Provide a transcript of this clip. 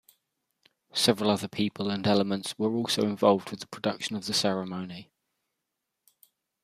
Several other people and elements were also involved with the production of the ceremony.